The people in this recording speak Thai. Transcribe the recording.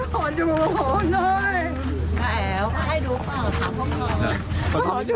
ขอดูหน่อยแอวให้ดูข้อมือ